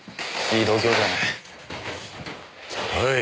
いい度胸じゃない。